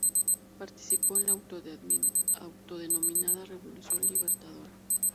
Participó de la autodenominada Revolución Libertadora.